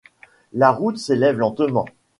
La route s’élève lentement.